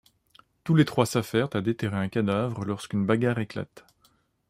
Tous les trois s'affairent à déterrer un cadavre lorsqu'une bagarre éclate.